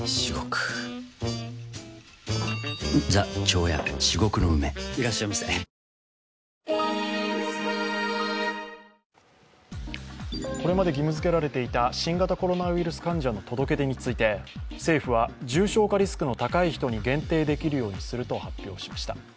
およそ１億５０００万円の保険金を狙ってこれまで義務づけられていた新型コロナ患者の届け出について政府は重症化リスクの高い人に限定できるようにすると発表しました。